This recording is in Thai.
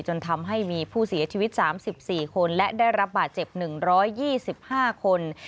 จนทำให้มีผู้เสียชีวิตสามสิบสี่คนและได้รับบาดเจ็บหนึ่งร้อยยี่สิบห้าคน